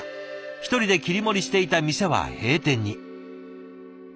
１人で切り盛りしていた店は閉店に。